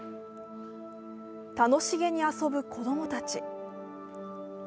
楽しげに遊ぶ子供たち。